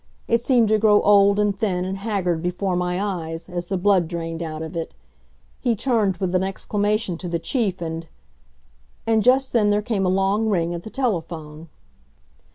It seemed to grow old and thin and haggard before my eyes, as the blood drained out of it. He turned with an exclamation to the Chief and And just then there came a long ring at the telephone.